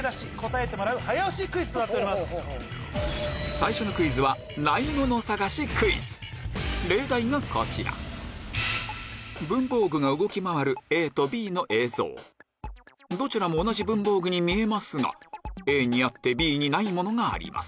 最初のクイズは例題がこちら文房具が動き回るＡとＢの映像どちらも同じ文房具に見えますがＡにあってＢにないものがあります